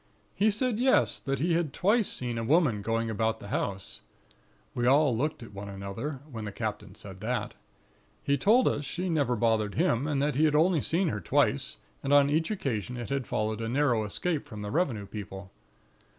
He said yes, that he had twice seen a Woman going about the house. We all looked at one another, when the captain said that. He told us she never bothered him, and that he had only seen her twice, and on each occasion it had followed a narrow escape from the Revenue people.